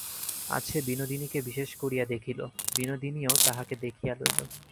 আজ সে বিনোদিনীকে বিশেষ করিয়া দেখিল, বিনোদিনীও তাহাকে দেখিয়া লইল।